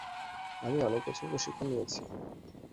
আমি অনেক বছর প্রশিক্ষণ নিয়েছি।